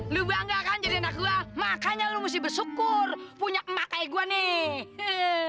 lu bangga kan jadi anak gue makanya lu mesti bersyukur punya emak kayak gue nih